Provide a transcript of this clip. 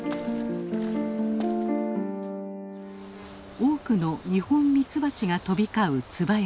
多くのニホンミツバチが飛び交う椿山。